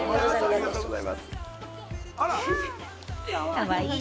かわいい！